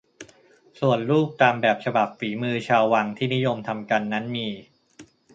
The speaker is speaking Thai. ส่วนรูปตามแบบฉบับฝีมือชาววังที่นิยมทำกันนั้นมี